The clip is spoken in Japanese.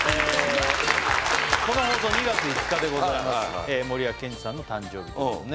この放送２月５日でございます森脇健児さんの誕生日ということでね